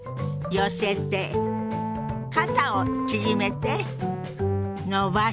肩を縮めて伸ばして。